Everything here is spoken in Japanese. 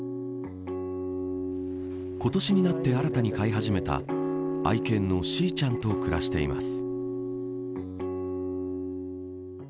今年になって新たに飼い始めた愛犬のしーちゃんと暮らしています。